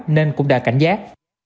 nên cũng đã cảnh giác